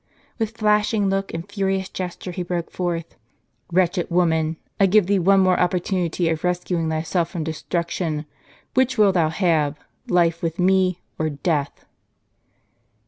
With flashing look, and furious gesture, he broke forth :" Wretched woman, I give thee one more opportunity of rescuing thyself from destruction. Which wilt thou have, life with me, or death